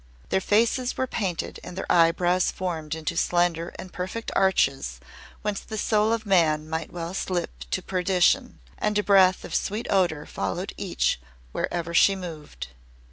Their faces were painted and their eyebrows formed into slender and perfect arches whence the soul of man might well slip to perdition, and a breath of sweet odor followed each wherever she moved.